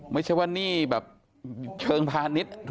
ไม่ใช่ว่าหนี้แบบเชิงพาณิชย์